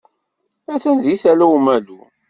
Atan di Tala Umalu.